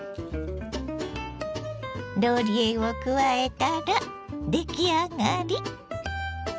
ローリエを加えたら出来上がり。